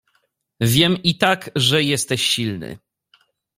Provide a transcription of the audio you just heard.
"Wiem i tak, że jesteś silny."